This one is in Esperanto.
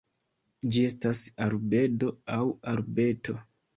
Ĝi estas arbedo aŭ arbeto.